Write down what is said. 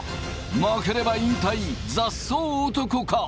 負ければ引退雑草男か？